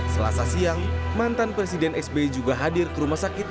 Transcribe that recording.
selasa siang mantan presiden sbi juga hadir ke rumah sakit